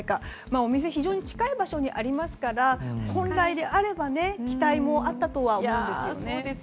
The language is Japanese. お店非常に近い場所にありますから本来であれば期待もあったと思うんですよね。